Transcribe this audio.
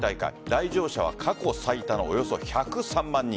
来場者は過去最多のおよそ１０３万人。